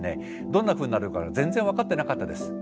どんなふうになるか全然分かってなかったです。